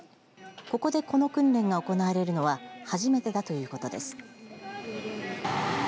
ここでこの訓練が行われるのは初めてだということです。